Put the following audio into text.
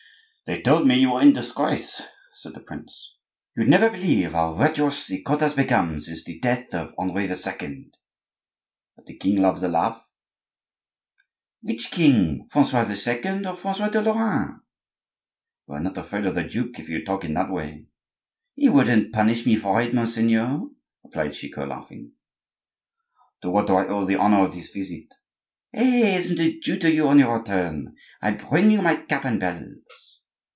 "They told me you were in disgrace," said the prince. "You'd never believe how virtuous the court has become since the death of Henri II." "But the king loves a laugh." "Which king,—Francois II., or Francois de Lorraine?" "You are not afraid of the duke, if you talk in that way!" "He wouldn't punish me for it, monseigneur," replied Chicot, laughing. "To what do I owe the honor of this visit?" "Hey! Isn't it due to you on your return? I bring you my cap and bells."